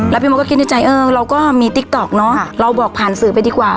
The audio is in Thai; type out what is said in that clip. แล้วพี่มดก็คิดในใจเออเราก็มีติ๊กต๊อกเนอะเราบอกผ่านสื่อไปดีกว่า